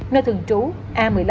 nơi thường trú a một mươi năm